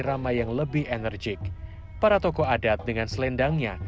sampai jumpa di video selanjutnya